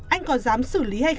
anh có dám xử lý hay không